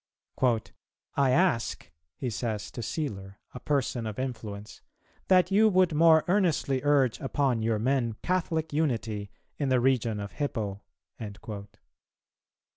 "I ask," he says to Celer, a person of influence, "that you would more earnestly urge upon your men Catholic Unity in the region of Hippo."